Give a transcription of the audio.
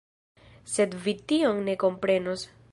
Sed vi tion ne komprenos.